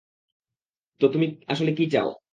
তো তুমি আসলে কি চাও?